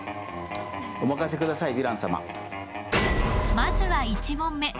まずは１問目。